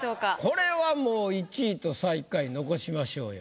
これはもう１位と最下位残しましょうよ。